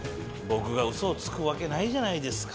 僕がウソをつくわけないじゃないですか。